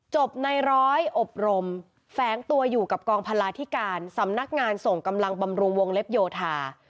ในร้อยอบรมแฝงตัวอยู่กับกองพลาธิการสำนักงานส่งกำลังบำรุงวงเล็บโยธา